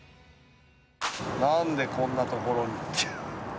なんでこんな所に？